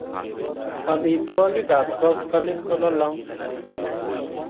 amitwokik ap koskoling ko lolong